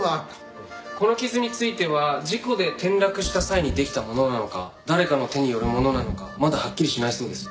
この傷については事故で転落した際にできたものなのか誰かの手によるものなのかまだはっきりしないそうです。